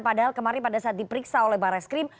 padahal kemarin pada saat diperiksa oleh barreskrim